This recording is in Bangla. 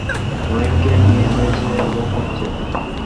অনেককে নিয়েই হয়েছে এবং হচ্ছে।